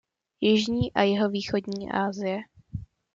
Jižní a jihovýchodní Asie.